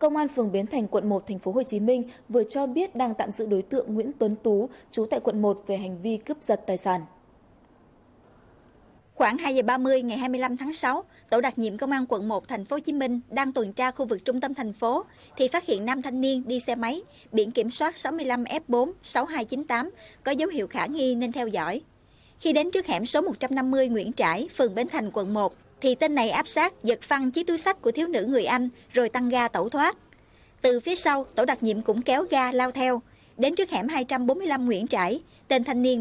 các bạn hãy đăng ký kênh để ủng hộ kênh của chúng mình nhé